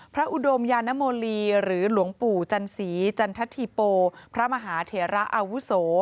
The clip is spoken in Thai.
อุดมยานโมลีหรือหลวงปู่จันสีจันทธิโปพระมหาเถระอาวุโส